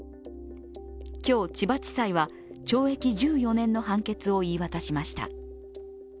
今日、千葉地裁は懲役１４年の判決を言い渡しました。